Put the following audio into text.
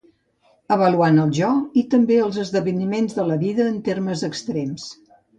Avaluant el jo, i també els esdeveniments de la vida en termes extrems.